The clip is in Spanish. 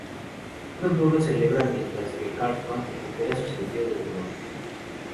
Todo el pueblo celebra mientras que Cartman recupera su sentido del humor.